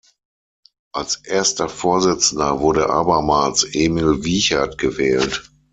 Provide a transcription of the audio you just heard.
Als erster Vorsitzender wurde abermals Emil Wiechert gewählt.